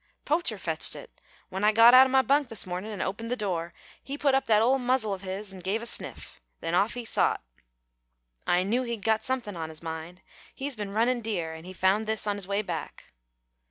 "Poacher fetched it. When I got out o' my bunk this mornin' an' opened the door, he put up that ole muzzle of his an' give a sniff. Then off he sot. I knew he'd got somethin' on his mind. He's been runnin' deer, an' he found this on his way back."